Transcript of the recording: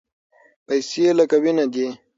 پیسې لکه وینه دي.